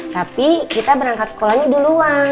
tapi kita berangkat sekolahnya duluan